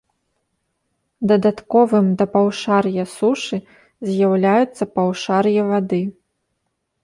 Дадатковым да паўшар'я сушы з'яўляецца паўшар'е вады.